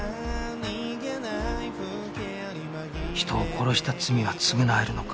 人を殺した罪は償えるのか